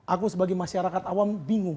aku sebagai masyarakat awam bingung